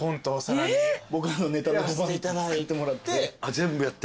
全部やって。